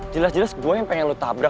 jelas jelas gue yang pengen lu tabrak